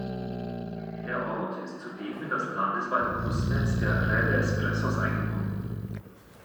Der Ort ist zudem in das landesweite Busnetz der Rede Expressos eingebunden.